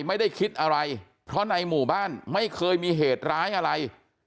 ไม่ได้คิดอะไรเพราะในหมู่บ้านไม่เคยมีเหตุร้ายอะไร